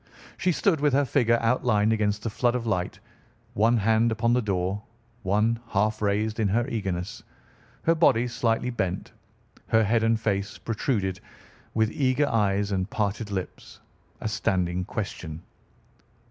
She stood with her figure outlined against the flood of light, one hand upon the door, one half raised in her eagerness, her body slightly bent, her head and face protruded, with eager eyes and parted lips, a standing question.